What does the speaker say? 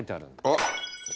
あっ。